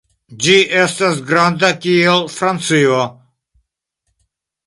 Ĝi estas granda kiel Francio.